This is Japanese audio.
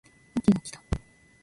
秋が来た